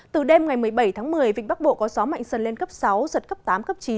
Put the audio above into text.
từ đêm ngày một mươi bảy tháng một mươi vịnh bắc bộ có gió mạnh dần lên cấp sáu giật cấp tám cấp chín